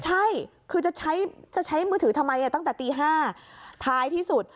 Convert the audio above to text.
ใช่คือจะใช้มือถือทำไมตั้งแต่ตี๕ท้ายที่สุด